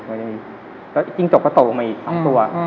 จริงจกก็ตกลงใหม่อีก๒ตัว